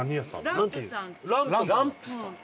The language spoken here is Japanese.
ランプさん！